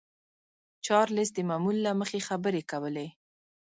چارليس د معمول له مخې خبرې کولې.